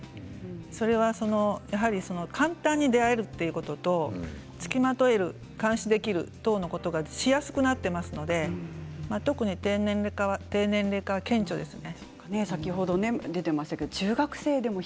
それは簡単に出会えるということとつきまとえる、監視できる等のことがしやすくなっていますので特に低年齢化は顕著ですね。